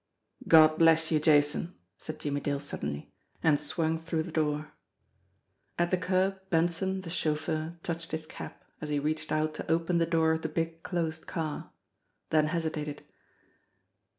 "God bless you, Jason !" said Jimmie Dale suddenly, and swung through the door. At the curb Benson, the chauffeur, touched his cap, as he reached out to open the door of the big closed car then hesitated.